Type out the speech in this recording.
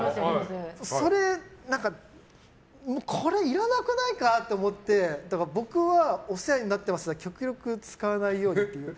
それはこれ、いらなくないかと思って僕は「お世話になっています」は極力使わないようにという。